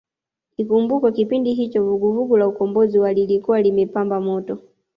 Ikumbukwe kipindi hicho vuguvugu la Ukombozi wa lilikuwa limepamba moto